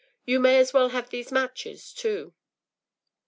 You may as well have these matches too.